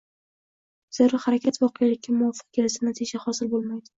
Zero harakat voqelikka nomuvofiq kelsa natija hosil bo‘lmaydi.